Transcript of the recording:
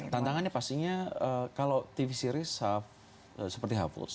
tantangannya pastinya kalau tv series seperti havloss